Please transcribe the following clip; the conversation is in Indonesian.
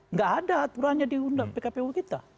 nggak ada aturannya di undang pkpu kita